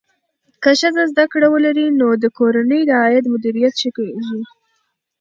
که ښځه زده کړه ولري، نو د کورنۍ د عاید مدیریت ښه کېږي.